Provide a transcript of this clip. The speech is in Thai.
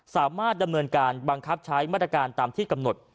สามารถดำเนินการบังคับใช้มาตรการตามที่กำหนด